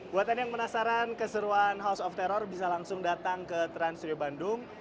buatan yang penasaran keseruan house of terror bisa langsung datang ke trans studio bandung